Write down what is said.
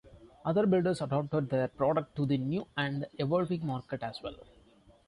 Other builders adapted their product to the new and evolving market as well.